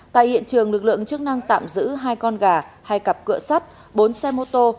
tại hiện trường lực lượng chức năng tạm giữ hai con gà hai cặp cửa sắt bốn xe mô tô